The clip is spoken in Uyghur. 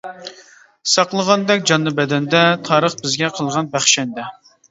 ساقلىغاندەك جاننى بەدەندە، تارىخ بىزگە قىلغان بەخشەندە.